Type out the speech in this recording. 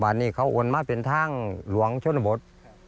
วันนี้เขาโอนมาเป็นทางหลวงชนบท